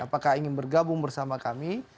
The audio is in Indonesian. apakah ingin bergabung bersama kami